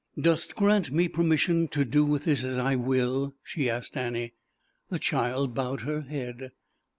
"Dost grant me permission to do with this as I will?" she asked Annie The child bowed her head.